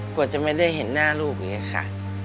กลัวจะไม่ได้เห็นหน้าลูกเลยอะค่ะ